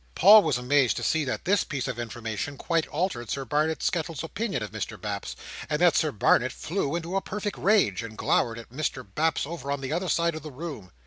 Paul was amazed to see that this piece of information quite altered Sir Barnet Skettles's opinion of Mr Baps, and that Sir Barnet flew into a perfect rage, and glowered at Mr Baps over on the other side of the room.